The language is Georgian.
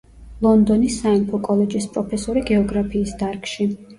ლონდონის სამეფო კოლეჯის პროფესორი გეოგრაფიის დარგში.